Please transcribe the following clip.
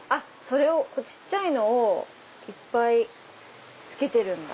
小っちゃいのをいっぱいつけてるんだ。